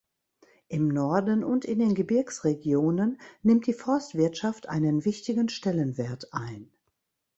Im Norden und in den Gebirgsregionen nimmt die Forstwirtschaft einen wichtigen Stellenwert ein.